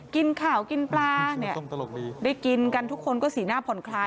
กินข่าวกินปลาเนี่ยได้กินกันทุกคนก็สีหน้าผ่อนคลาย